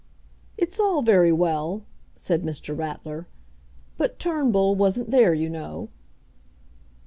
"It's all very well," said Mr. Ratler, "but Turnbull wasn't there, you know."